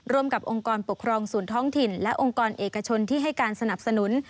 ร่วมกับองค์กรปกครองศูนย์ท้องถิ่นและองค์กรเอกชนที่ให้การสนับสนุน